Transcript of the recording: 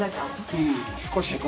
うん。